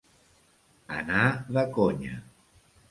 Anar de conya.